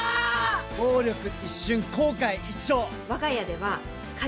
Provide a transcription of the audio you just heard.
「暴力一瞬後悔一生」